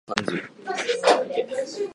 十日町駅